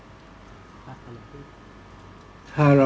ก็ต้องทำอย่างที่บอกว่าช่องคุณวิชากำลังทำอยู่นั่นนะครับ